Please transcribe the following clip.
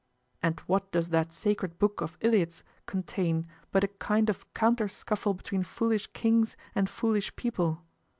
And what does that sacred book of Iliads contain but a kind of counter scuffle between foolish kings and foolish people?